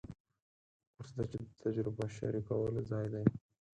کورس د تجربه شریکولو ځای دی.